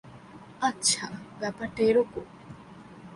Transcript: আচ্ছা, ব্যাপারটা এরকম?